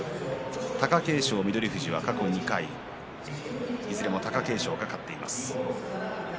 貴景勝、翠富士は過去２回いずれも貴景勝が勝っています。